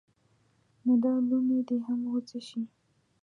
نو دا لومې دې هم غوڅې شي.